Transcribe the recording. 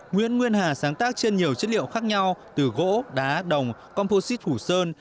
nguyễn nguyên hà sáng tác trên nhiều chất liệu khác nhau từ gỗ đá đồng composite hủ sơn